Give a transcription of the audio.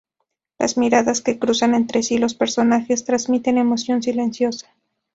Las miradas que cruzan entre sí los personajes transmiten emoción silenciosa.